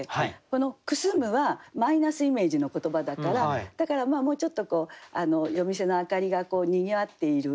この「くすむ」はマイナスイメージの言葉だからだからもうちょっと夜店の明かりがにぎわっている。